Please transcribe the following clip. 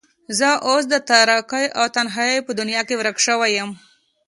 زه اوس د تاريکۍ او تنهايۍ په دنيا کې ورکه شوې يم.